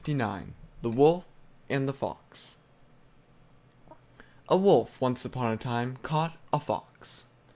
THE WOLF AND THE FOX A wolf, once upon a time, caught a fox.